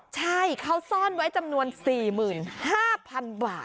ใช่เขาซ่อนไว้จำนวน๔๕๐๐๐บาท